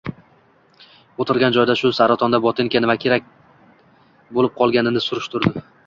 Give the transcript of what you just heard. O‘tirgan joyida shu saratonda botinka nimaga kerak bo‘lib qolganini surishtirdi.